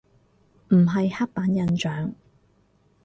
唔係刻板印象